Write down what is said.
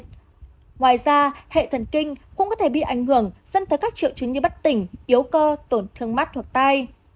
ngoài ra hệ thần kinh cũng có thể bị ảnh hưởng dẫn tới các triệu chứng như bất tỉnh yếu cơ tổn thương mắt hoặc tai